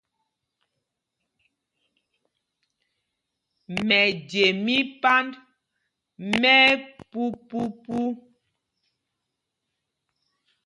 Mɛje mí Pand mɛ ɛpupupu.